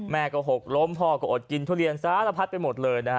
แม่ก็หกล้มพ่อก็อดกินทุเรียนสารพัดไปหมดเลยนะฮะ